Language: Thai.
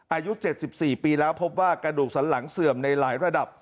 อายุ๗๔ปีแล้วพบว่ากระดูกสันหลังเสื่อมในหลายระดับ